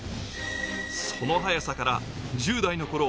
その速さから１０代のころ